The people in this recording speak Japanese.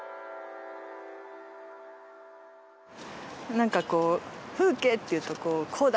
何かこう風景っていうとこうこうだ！